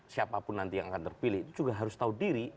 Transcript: siapapun nanti yang akan terpilih itu juga harus tahu diri